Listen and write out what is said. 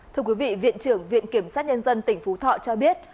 thưa quý vị viện trưởng viện kiểm sát nhân dân tỉnh phú thọ cho biết